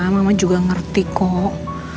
mama juga ngerti kok